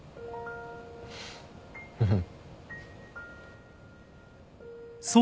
うん。